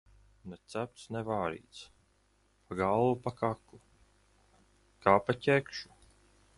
Ne cepts, ne vārīts; pa galvu, pa kaklu; kā pa ķešu.